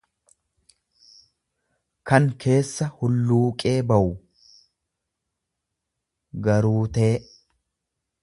kan keessa hulluuqee bawu, garuutee.